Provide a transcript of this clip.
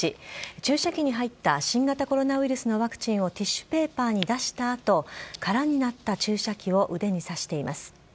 注射器に入った新型コロナウイルスのワクチンをティッシュペーパーに出したあと、空になった注射器を腕に刺しています。